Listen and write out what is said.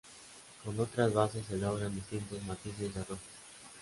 Con otras bases se logran distintos matices de rojo.